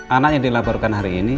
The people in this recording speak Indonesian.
anak yang dilaporkan hari ini